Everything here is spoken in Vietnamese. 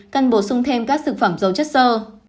cần bổ sung thêm các thực phẩm dầu chất sơ